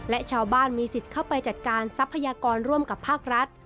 และชาวบ้านมีสิทธิ์เข้าไปจัดการทรัพยากรร่วมกับภาครัฐ